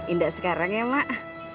indah sekarang ya mak